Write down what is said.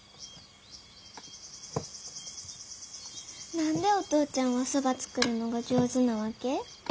何でお父ちゃんはそば作るのが上手なわけ？